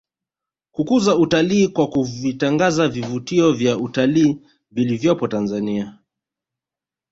Kukuza utalii kwa kuvitangaza vivutio vya utalii vilivyopo Tanzania